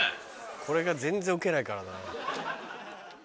これが全然ウケないからな。